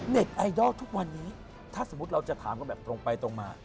ไอดอลทุกวันนี้ถ้าสมมุติเราจะถามกันแบบตรงไปตรงมา